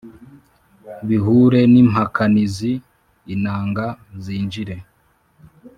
Bihure n’impakanizi inanga zinjire